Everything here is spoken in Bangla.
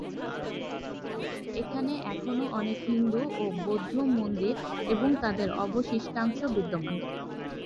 এখানে এখনো অনেক হিন্দু ও বৌদ্ধ মন্দির এবং তাদের অবশিষ্টাংশ বিদ্যমান।